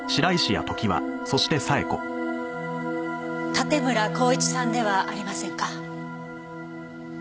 盾村孝一さんではありませんか？